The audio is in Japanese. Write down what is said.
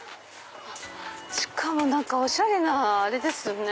しかもおしゃれなあれですね